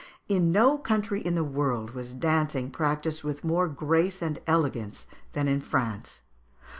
In no country in the world was dancing practised with more grace and elegance than in France.